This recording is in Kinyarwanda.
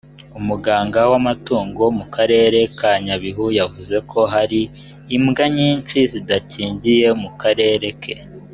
umuganga w’amatungo mu karere ka nyabihu yavuzeko hari imbwa nyinshi zidakingiye mu karere ke